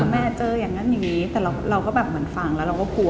แม่เจออย่างนั้นอย่างนี้แต่เราก็แบบเหมือนฟังแล้วเราก็กลัว